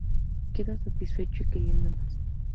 Quedas satisfecho y queriendo más.